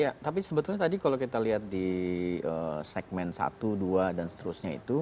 ya tapi sebetulnya tadi kalau kita lihat di segmen satu dua dan seterusnya itu